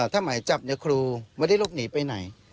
ถ้าไหมจับเนี่ยครูไม่ได้รบหนีไปไหน